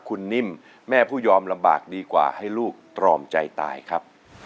คุณนิ่มแม่ผู้ยอมลำบากดีกว่าให้ลูกตรอมใจตายครับ